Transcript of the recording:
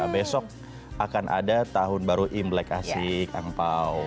besok akan ada tahun baru imlek asyik angpao